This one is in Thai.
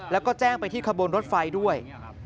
แล้วก็แจ้งไปที่ขบวนรถไฟด้วย